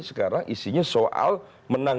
sekarang isinya soal menang